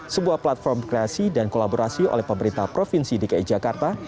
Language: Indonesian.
sebuah platform kreasi dan kolaborasi oleh pemerintah provinsi dki jakarta